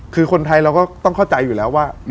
คือคนไทยเราก็ต้องเข้าใจอยู่แล้วว่า